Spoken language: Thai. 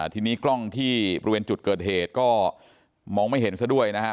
ทีนี้กล้องที่บริเวณจุดเกิดเหตุก็มองไม่เห็นซะด้วยนะครับ